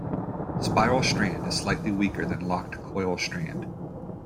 Spiral strand is slightly weaker than locked coil strand.